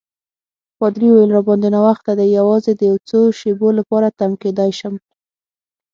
پادري وویل: راباندي ناوخته دی، یوازې د یو څو شېبو لپاره تم کېدای شم.